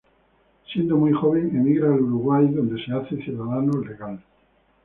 Siendo muy joven emigra al Uruguay donde se hace ciudadano legal.